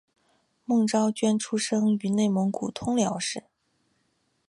孟昭娟出生于内蒙古通辽市。